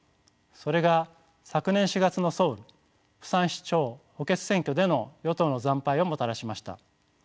それが昨年４月のソウル釜山市長補欠選挙での与党の惨敗をもたらしました。